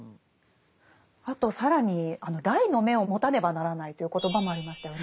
あと更に癩の眼を持たねばならないという言葉もありましたよね。